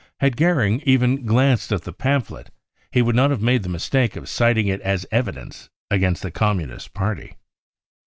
.. Had Goering even glanced at the pamphlet, he would not have made the mistake of citing it as evidence against the Communist Party.